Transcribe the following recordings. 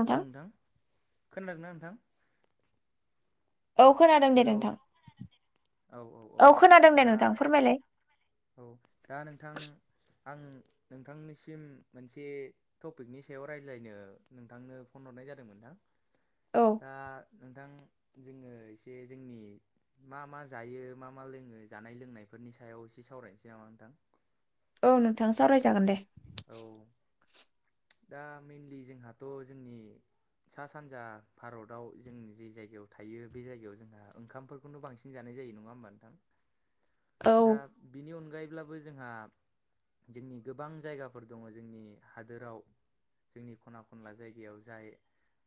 Hello नोंथां खोनादोंना नोंथां? औ खोनादों दे हेलौ नोंथां। औ खोनादों दे दा नोंथां फोरमायलाय। औ दा नोंथां आं नोंथांनिसिम मोनसे टपिकनि सायाव रायज्लायनो नोंथांनो फन हरनाय जादोंमोन न‌ोंथां। औ। दा नोंथां जोङो एसे जोंनि मा मा जायो मा मा लोङो जानाय लोंनायफोरनि सायाव एसे सावरायनोसै नामा नोंथां? औ नोंथां सावरायजागोन दे। औ। दा मेनलि जोंहाथ' जोंनि सा सानजा भारताव जों जे जायगायाव थायो बे जायगायाव जोंहा ओंखामफोर खौनो बांसिन जानाय जायो नङा होमबा नोंथां। औ दा बिनि अनगायैब्लाबो जोंहा जोंनि गोबां जायगाफोर दङ जोंनि हादोराव। जोंनि खना खनला जायगायाव जाय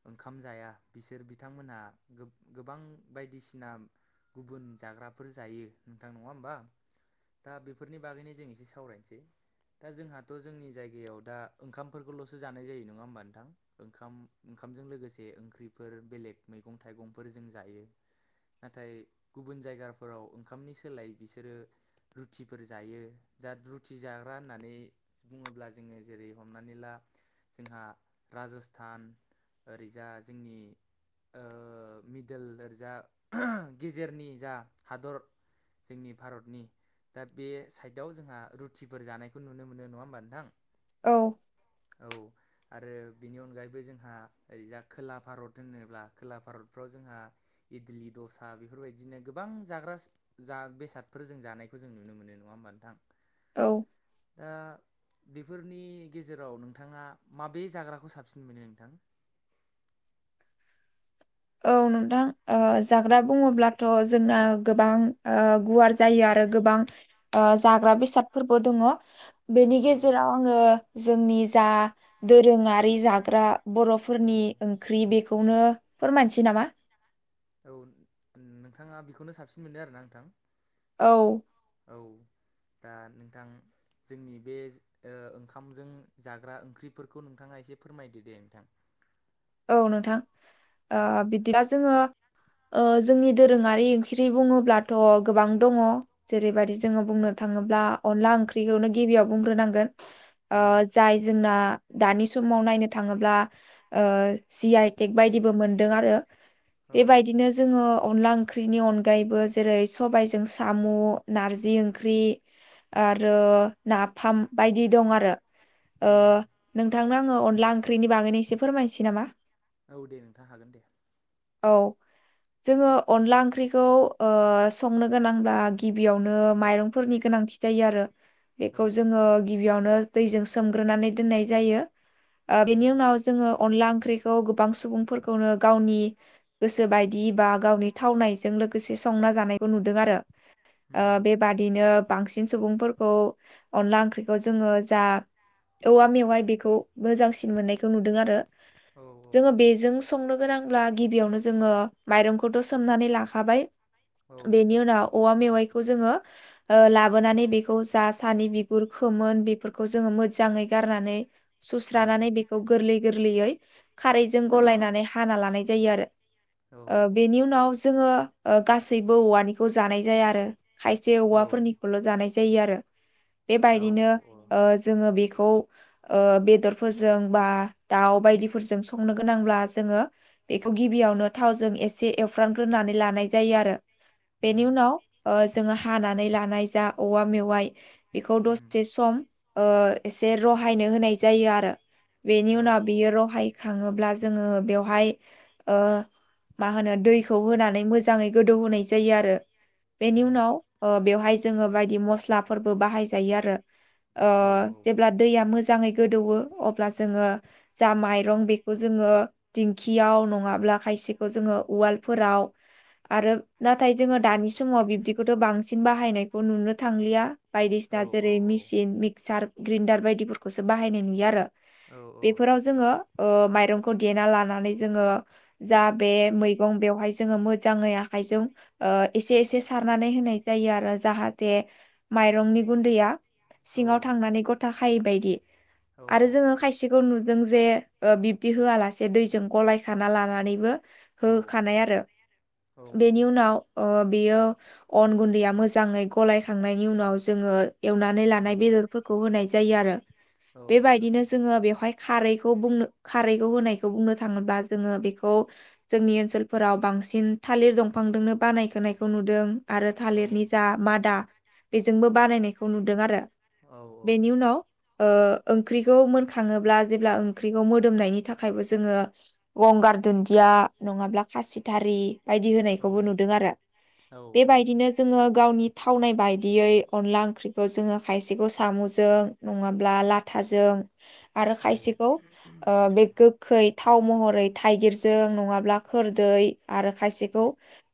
ओंखाम जाया बिसोर बिथांमोनहा गो-गोबां बायदिसिना गुबुन जाग्राफोर जायो नोंथां नङा होमबा। दा बेफोरनि बागैनो जों एसे सावरायनोसै। दा जोंहाथ' जोंनि जायगायाव दा ओंखामफोरखौल'सो जानाय जायो नङा होमबा नोंथां। ओंखाम ओंखामजों लोगोसे ओंख्रिफोर बेलेग मैगं थाइगंफोर जों जायो‌। नाथाय गुबुन जायगाफोराव ओंखामनि सोलाय बिसोरो रुथिफोर जायो। दा रुथि जाग्रा होननानै बुङोब्ला जोङो जेरै हमनानै ला जोंहा राज'स्थान ओरैजा जोंनि ओ मिदेल ओरजा गिजेरनि जा हादर जोंनि भारतनि दा बे साइदआव जोंहा रुटिफोर जानायखौ नुनो मोनो नङा होमबा नोंथां। औ। [inaudible] औ। आरो बिनि अनगायैबो जोंहा ओरैजा खोला भारत होनोब्ला खोला भारतफ्राव जोंहा इडलि, दसा बेफोरबायदिनो गोबां जाग्रा जा बेसादफोर जों जानायखौ जों नुनो मोनो नङा होमबा नोंथां? औ। दा बेफोरनि गेजेराव नोंथाङा माबे जाग्राखौ साबसिन मोनो नोंथां? औ नोंथां ओ जाग्रा बुङोब्लाथ' जोंना गोबां ओ गुवार जायो आरो गोबां ओ जाग्रा बेसादफोरबो दङ'। बेनि औ गेजेराव आङो जोंनि जा दोरोङारि जाग्रा औ बर'फोरनि ओंख्रि बेखौनो फोरमायनोसै नामा? [unintelligible] औ नोंथाङा बेखौनो साबसिन मोनो आरो ना नोंथां? औ। [unintelligible] औ दा नोंथां जोंनि बे ओ ओंखामजों जाग्रा ओंख्रिफोरखौ नोंथाङा एसे फोरमायदो दे नोंथां। औ नोंथां ओ औ बिदिबा जोङो ओ जोंनि दोरोङारि ओंख्रि बुङोब्लाथ' गोबां दङ' जेरैबायदि जोङो बुंनो थाङोब्ला अनला ओंख्रिखौनो गिबियाव बुंग्रोनांगोन। ओ उम जाय जोंना दानि समाव नायनो थाङोब्ला ओ जि आइ टेक बायदिबो मोनदों आरो। औ बेबायदिनो जोङो अनला ओं ख्रिनि अनगायैबो जेरै सबायजों साम', नारजि ओंख्रि आरो नाफाम बायदि दं आरो। ओ उम नोंथांनो आङो अनला ओंख्रिनि बागैनो एसे फोरमायनोसै नामा? औ दे नोंथां हागोन दे। औ। जोङो अनला ओंख्रिखौ ओ संनो गोनांब्ला गिबियावनो माइरंफोरनि गोनांथि जायो आरो। औ बेखौ जोङो गिबियावनो दैजों सोमग्रोनानै दोननाय जायो। ओ उम बेनि उनाव जोङो अनला ओंख्रिखौ गोबां सुबुंफोरखौनो गावनि गोसो बाय बादि बा गावनि थावनायजों लोगोसे संना जानायखौ नुदों आरो। ओ उम बे बाद दिनो बांसिन सुबुंफोरखौ अनला ओंख्रिखौ जोङो जा औवा मेवाय बेखौ मोजांसिन मोननायखौ नुदों आरो। [inaudible] जोङो बेजों संनो गोनांब्ला गिबियावनो जोङो माइरंखौथ' सोमनानै लाखाबाय। औ बेनि उनाव औवा मेवाइखौ जोङो ओ ला लाबोनानै बेखौ जा सानि बिगुर, खोमोन बेफोरखौ जोङो मोजाङै गारनानै औ सुस्रानानै बेखौ गोरलै गोरलैयै खारै जों औ गलायनानै हाना लानाय जायो आरो। ओ बेनि उनाव जोङो ओ गासैबो औवानिखौ जानाय जाया आरो, खायसे औवाफोरनिखौल' जानाय जायो आरो। औ बेबायदिनो उम ओ जोङो बेखौ ओ बेदरफोरजों बा दाउ बायदिफोरजों सं संनो गोनांब्ला जोङो बेखौ गिबियावनो थावजों एसे एवफ्रामग्रोनानै लानाय जायो आरो। बेनि उनाव ऐ जोङो हानानै लानाय जा औवा मेवाइ बेखौ उम दसे सम ओ एसे रहायनो होनाय जायो आरो। बेनि औ उनाव बियो रहाय खाङोब्ला जोङो बेवहाय ओ मा होनो दैखौ होनानै मोजाङै गोदौ होनाय जायो आरो। बेनि उम उनाव ओ बेवहाय जोङो बायदि मस्लाफोरबो बाहाय जायो आरो। ओ औ औ जेब्ला दैया मोजाङै गोदौओ अब्ला जोङो जा माइ रं बेखौ जोङो दिंखियाव नङाब्ला खायसेखौ जोङो उवालफोराव आरो नाथाय जोङो दानि समाव बिब्दिखौथ' बांसिन बाहायनायखौ नुनो थांलिया बायदिसि औ ना औ जेरै मेसिन मिक्सार ग्रिडार बायदिफोरखौसो बाहायनाय नुयो आरो। औ बेफोराव जोङो ओ माइरं खौ देना लानानै जोङो जा बे मैगं बेवहाय जोङो मोजाङै आखाइजों ओ एसे एसे सारनानै होनाय जायो आरो जाहाथे माइरंनि गुन्दैया सिङाव थांनानै गथा खायै बायदि। आरो औ जोङो खायसे खौ नुदों जे ओ बिब्दि होआलासे दैजों गलायखाना लानानैबो होखानाय आरो। औ औ बेनि उनाव ओ बेयो अन गुन्दैया मोजाङै गलायखांनायनि उनाव जोङो एवनानै लानाय बेदरफोरखौ होनाय जायो आरो। जोङो एवनानै बेबायदिनो जोङो बेवहाय खारैखौ बुंनो खारैखौ होनायखौ बुंनो थाङोब्ला जोङो बेखौ जोंनि ओनसोलफोराव बांसिन थालिर दंफांदोंनो बानायखोनायखौ नुदों आरो थालिरनि जा मादा बेजोंबो बानायायनायखौ नुदों आरो। आरो बेनि उनाव ओ ओंख्रिखौ मोनखाङोब्ला जेब्ला ओंख्रिखौ मोदोमनायनि थाखायबो जोङो गंगार दुन्दिया नङाब्ला खासिथारि बायदि होनायखौबो नुदों आरो। आरो बेबायदिनो जोङो गावनि थावनाय बायदियै अनला ओंख्रिखौ जोङो खायसेखौ साम'जों नङाब्ला ला थाजों आरो औ नोंथां खायसेखौ ओ बे गोखै थाव महरै थाइगिरजों नङाब्ला खोरदै आरो खायसेखौ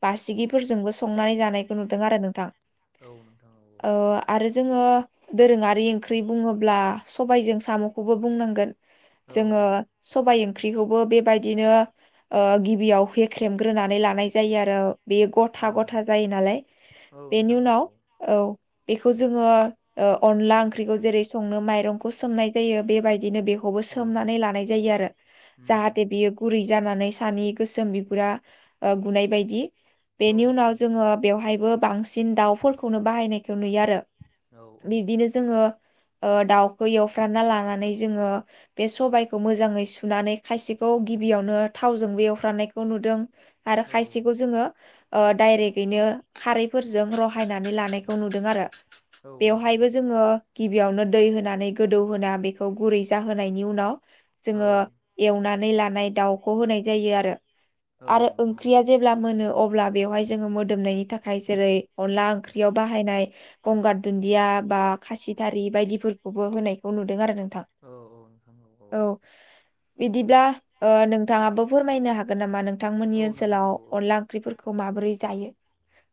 बारसिगिफोरजोंबो संनानै जानायखौ नुदों आरो नोंथां। औ नोंथां औ। ओ आरो जोङो दोरोङारि ओंख्रि बुङोब्ला सबायजों साम'खौबो बुंनांगोन। औ औ जोङो सबाय ओंख्रिखौबो बेबायदिनो ओ गिबियाव होेख्रेमग्रोनानै ला नाय जायो आरो, बेयो गथा औ गथा जायो नालाय। औ बेनि नोंथां औ उनाव औ बेखौ जोङो ओ अनला ओंख्रिखौ जेरै संनो माइरंखौ सोमनाय जायो बेबायदिनो बेखौबो औ सोमनानै लानाय जायो आरो उम उम जाहाथे बेयो गुरै जानानै सानि गोसोम बिगुरा गुनाय बाय दि। औ बेनि उनाव नोंथां औ जोङो बेवहायबो बांसिन दाउफोरखौनो बाहायनायखौ नुयो आरो। औ औ। बिब्दिनो जोङो ओ दाउखौ एवफ्रामना लानानै जोङो बे सबाइखौ मोजाङै सुनानै खायसेखौ गिबियावनो थावजोंबो एवफ्रनायखौ नुदों आरो खायसेखौ जोङो ओ डायरेकयैनो खारैफोरजों रहायनानै लानायखौ नुदों आरो। औ बेवहायबो जोङो गिबियावनो दै होनानै गोदौहोना बेखौ गुरै जाहोनायनि उनाव औ जोङो एवनानै लानाय दाउखौ होनाय जायो आरो। औ आरो ओंख्रिया जेब्ला मोनो अब्ला बेवहाय जोङो मोदोमनायनि थाखाय जेरै अनला ओंख्रियाव बाहायनाय गंगार अनला दुन्दिया बा खासिथारि बायदिफोरखौबो होनायखौ नुदों आरो नोंथां। औ औ। औ बिदिब्ला ओ नोंथाङाबो फोरमायनो हागोन नामा नोंथांमोननि औ नोंथां ओनसोलाव औ नोंथां औ औ अनला ओंख्रिफोरखौ माबोरै जायो?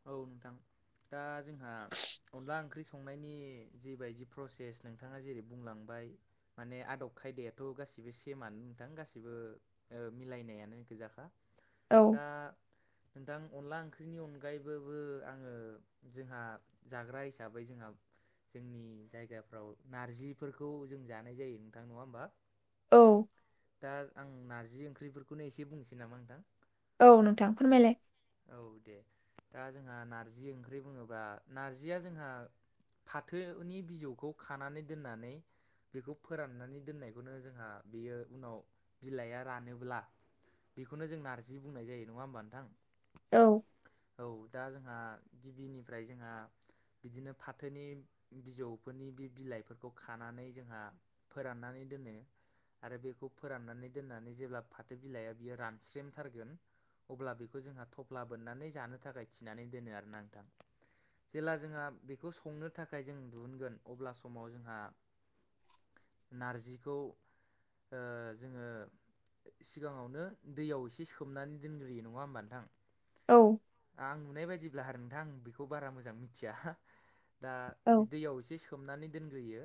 औ नोंथां। दा जोंहा अनला ओंख्रि संनायनि जिबायदि प्रसेस नोंथाङा जेरै बुंलांबाय माने आदब खायदायाथ' गासिबो सेमानो नोंथां गासिबो ओ मिलायनायानो गोजाखा। औ दा नोंथां अनला ओंख्रिनि अन अनगायैबाबो आङो जोंहा जाग्रा हिसाबै जोंहा जोंनि जायगाफ्राव नारजिफोरखौ जों जानाय जायो नोंथां नङा होमबा? औ। दा आं नारजि ओंख्रिफोरखौनो एसे बुंनोसै नामा नोंथां? औ नोंथां फोरमायलाय। औ दे दा जोंहा नारजि ओंख्रि बुङोबा नारजिया जोंहा फाथोनि बिजौखौ खानानै दोननानै बेखौ फोराननानै दोननायखौनो जोंहा बेयो उनाव बिलाइआ रानोब्ला बेखौनो जों नारजि बुंनाय जायो नङा होमबा नोंथां? औ। औ दा जोंहा गिबिनिफ्राय जोंहा बिदिनो फाथोनि बिजौफोरनि बे बिलाइफोरखौ खानानै जोंहा फोराननानै दोनो। आरो बेखौ फोराननानै दोननानै जेब्ला फाथो बिलाइया बियो रानस्रेमथारगोन अब्ला बेखौ जोंहा थफ्ला बोननानै जानो थाखाय थिनानै दोनो आरो ना नोंथां। जेब्ला जोंहा बेखौ संनो थाखाय जों दिहुनगोन अब्ला समाव जोंहा नारजिखौ ओ जोङो सिगाङावनो दैयाव एसे सोमनानै दोनग्रोयो नङा होमबा नोंथां? औ। आं नुनाय बायदिब्ला आरो नोंथांं बेखौ बारा मोजां मिथिया दा औ दैयाव एसे सोमनानै दोनग्रोयो।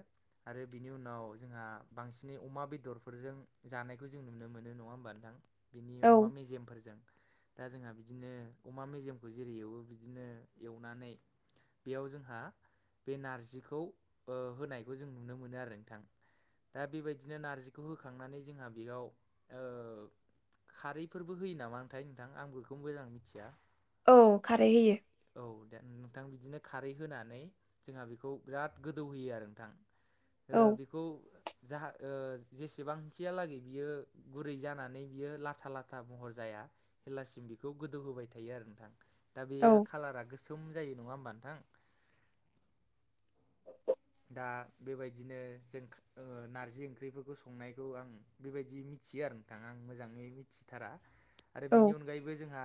आरो बिनि उनाव जोंहा बांसिनै अमा बेदरफोरजों जानायखौ जों नुनो मोनो नङा होमबा नोंथां? बिनि अमा औ मेजेमफोरजों दा जोंहा बिदिनो अमा मेजेमखौ जेरै एवो बिदिनो एवनानै बेयाव जोंहा बे नारजिखौ होनायखौ जों नुनो मोनो आरो नोंथां। दा बेबायदिनो नारजिखौ होखांनानै जोंहा बेयाव खारैफोरबो होयो नामा आथाय नोंथां आं बेखौ मोजां मिथिया। औ खारै होयो। औ दे नोंथां बिदिनो खारै होनानै जोंहा बेखौ बिराद गोदौहोयो आरो नोंथां। औ बेखौ जा ओ जेसेबांखिहालागै बियो गुरै जानानै बियो लाथा लाथा महर जाया जेलासिम बेखौ गोदौहोबाय थायो आरो नोंथां। दा बेयो औ कालारा गोसोम जायो नङा होमबा नोंथां? दा बेबायदिनो जों ओ नारजि ओंख्रिफोरखौ संनायखौ आं बेबायदि मिथियो आरो नोंथां। आं मोजाङै मिथिथारा। आरो औ बेनि अनगायैबो जोंहा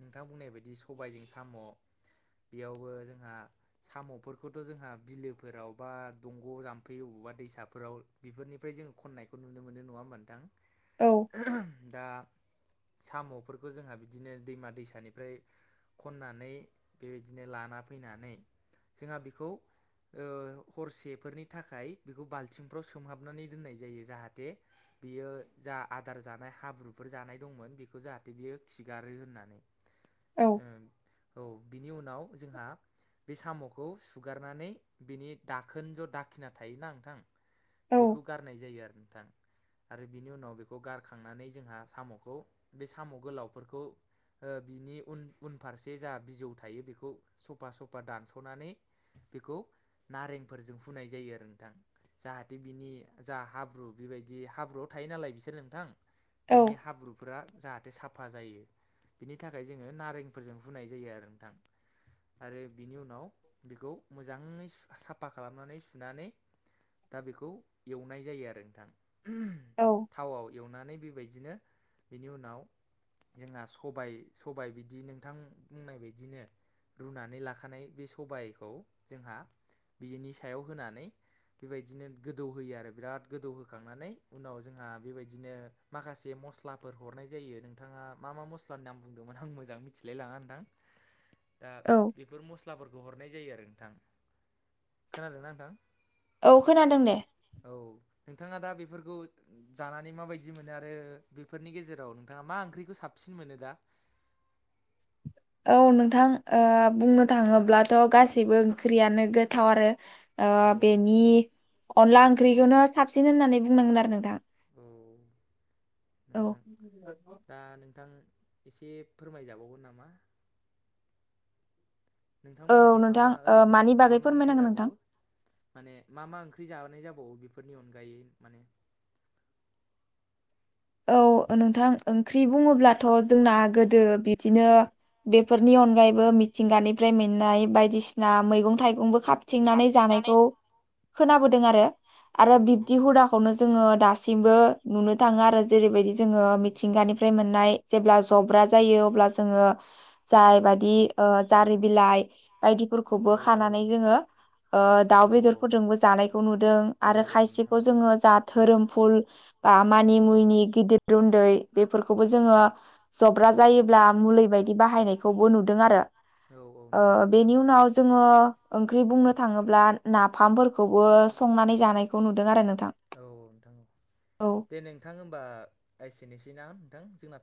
नोंथां बुंनाय बायदि सबायजों साम' बेयावबो जोंहा साम'फोरखौथ' जोंहा बिलो -फोराव बा दंग' जाम्फै अबावबा दैसाफोराव बेफोरनिफ्राय जोङो खननायखौ नुनो मोनो नङा होनबा नोंथां? औ। दा साम'फोरखौ जोंहा बिदिनो दैमा- दैसानिफ्राय खननानै बेबायदिनो लाना फैनानै जोंहा बेखौ हरसेफोरनि थाखाय बेखौ बाल्थिंफ्राव सोमहाबनानै दोननाय जायो। जाहाथे बियो जा आदार जानाय हाब्रुफोर जानाय दंमोन बेखौ जाहाथे बियो खिगारो होननानै। [unintelligible] औ बिनि उनाव जोंहा बे साम'खौ सुगारनानै बिनि दाखोन ज' दाखिना थायोना नोंथां औ बेखौ गारनाय जायो आरो नोंथां। आरो बिनि उनाव बेखौ गारखांनानै जोंहा साम'खौ बे साम' गोलावफोरखौ बिनि उन -उनफारसे जा बिजौ थायो बेखौ सफा सफा दानस'नानै बेखौ नारेंफोरजों फुनाय जायो आरो नोंथां। जाहाथे बिनि जा हाब्रु बेबायदि हाब्रुआव थायो नालाय बिसोर नोंथां औ बिनि हाब्रुफोरा जाहाथे साफा जायो बिनि थाखाय जोङो नारेंफोरजों फुनाय जायो आरो नोंथां। आरो बिनि उनाव बेखौ मोजाङै स साफा खालामनानै सुनानै दा बेखौ एवनाय जायो आरो नोंथां। थावाव एवनानै बेबायदिनो बेनि उनाव जोंहा सबाय सबाय बिदि नोंथां बुंनाय बदिनो। रुनानै लाखानाय बे सबायखौ जोंहा बिनि सायाव होनानै बेबायदिनो गोदौहोयो आरो बिराद गोदौहोखांनानै उनाव जोंहा बेबायदिनो माखासे मस्लाफोर हरनाय जायो नोंथाङा मा मा मस्लानि नाम बुंदोंमोन? आं मोजां मिथिलायलाङा नोंथां। दा औ बेफोर मस्लाफोरखौ हरनाय जायो आरो नोंथां। खोनादोंना नोंथां? औ खोनादों दे। औ नोंथाङा दा बेफोरखौ जानानै माबायदि मोनो आरो बेफोरनि गेजेराव नोंथाङा मा ओंख्रिखौ साबसिन मोनो दा? औ नोंथां बुंनो थाङोब्लाथ' गासैबो ओंख्रियानो गोथाव आरो। औ बेनि अनला ओंख्रिखौनो साबसिन होननानै बुंनांगोन आरो नोंथां। औ औ नोंथां दा नोंथां एसे फोरमायजाबावगोन नामा? औ नोंथांमोननिख्रुइ मा नोंथां मा ओ ओरैनो मानि मा बागै मा ओंख्रि फोरमायनांगोन नोंथां जाबावो? माने मा मा ओंख्रि जाबाय जाबावो बेफोरनि अनगायै, माने औ नोंथां ओंख्रि बुङोब्लाथ' जोंना गोदो बिदिनो बेफोरनि अनगायैबो मिथिंगानिफ्राय मोननाय बायदिसिना मैगं थाइगंबो खाब थिंनानै जानायखौ खोनाबोदों आरो। औ आरो बिब्दि औ हुदाखौनो जोङो दासिमबो नुनो थाङो आरो जेरैबायदि जोङो मिथिंगानिफ्राय मोननाय जेब्ला जब्रा ज जायो आब्ला जोंङो, जाय बायदि औ जारिबिलाय औ खौबो खानानै जोङो दाउ औ बेदरफोरजोंबो जानायखौ नुदों औ आरो औ नोंथां खायसेखौ औ औ जोङो धोरोमफुल बा मानि मुनि गिदिर रुन्दै बेफोरखौबो जोङो जब्रा जायोब्ला मुलि बायदि बाहायनायखौबो नुदों आरो। औ औ नोंथां औ औ बेनि उनाव जोङो ओंख्रि बुंनो थाङोब्ला नाफामफोरखौबो संनानै जानायखौ नुदों आरो नोंथां। औ नोंथां औ औ दे नोंथां होमबा एसेनोसैनाा नोंथां। जोंना